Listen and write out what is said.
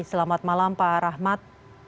selamat malam pak rahmat